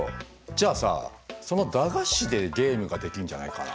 じゃあさその駄菓子でゲームができるんじゃないかな？